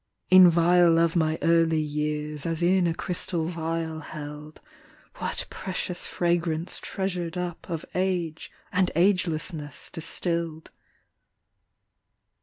In vial of my early years, As in a crystal vial held, What precious fragrance treasured up Of age and agelessness distill d.